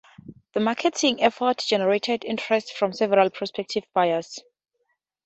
The marketing efforts generated interest from several prospective buyers.